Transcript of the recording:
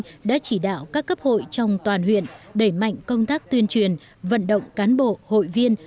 tỉnh ủy đã chỉ đạo các cấp hội trong toàn huyện đẩy mạnh công tác tuyên truyền vận động cán bộ hội viên